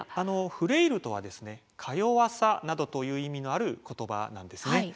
フレイルとはですね「かよわさ」などという意味のある言葉なんですね。